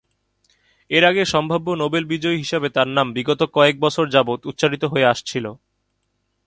এর আগে সম্ভাব্য নোবেল বিজয়ী হিসেবে তার নাম বিগত কয়েক বৎসর যাবৎ উচ্চারিত হয়ে আসছিল।